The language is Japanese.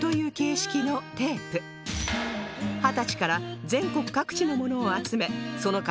二十歳から全国各地のものを集めその数